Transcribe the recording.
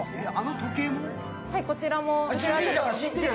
こちらも。